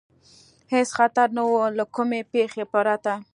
هېڅ خطر نه و، له کومې پېښې پرته.